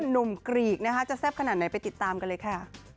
กรีกนะคะจะแซ่บขนาดไหนไปติดตามกันเลยค่ะ